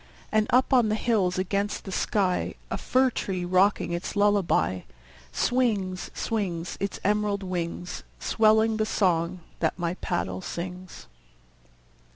And up on the hills against the sky, A fir tree rocking its lullaby, Swings, swings, Its emerald wings, Swelling the song that my paddle sings.